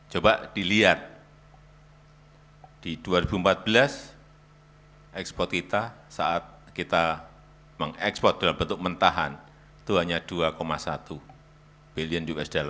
coba dilihat di dua ribu empat belas ekspor kita saat kita mengekspor dalam bentuk mentahan itu hanya dua satu billion usd